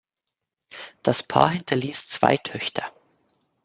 Das Paar hinterließ zwei Töchter.